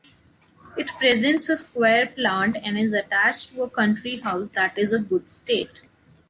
It presents a square plant and is attached to a country house that is a good state.